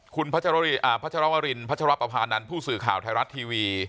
คุณพัชรวรินพัชรปภานันทร์ผู้สื่อข่าวไทยรัฐทีวี